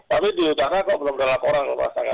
tapi di utara kok belum terlaku orang lho merasakan